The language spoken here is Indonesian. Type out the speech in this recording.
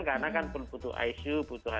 karena kan pun butuh icu